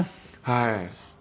はい。